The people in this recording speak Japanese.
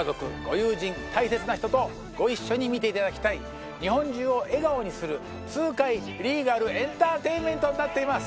友人大切な人とご一緒に見ていただきたい日本中を笑顔にする痛快リーガル・エンターテインメントになっています